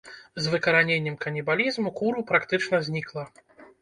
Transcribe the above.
З выкараненнем канібалізму куру практычна знікла.